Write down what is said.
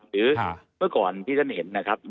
หรือเมื่อก่อนที่ท่านเห็นนะครับ